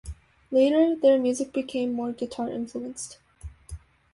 Later their music became more guitar influenced.